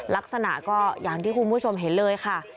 ลักษณะก็อย่างที่คุณผู้ชมเห็นเลยค่ะ